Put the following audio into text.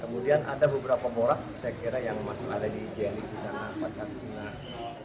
kemudian ada beberapa borax saya kira yang masih ada di jni disana pacar sini